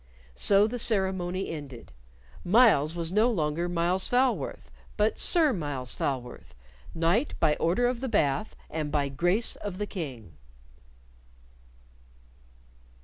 So the ceremony ended; Myles was no longer Myles Falworth, but Sir Myles Falworth, Knight by Order of the Bath and by grace of the King!